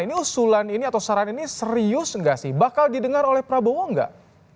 ini usulan ini atau saran ini serius nggak sih bakal didengar oleh prabowo enggak